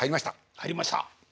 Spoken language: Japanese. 入りました！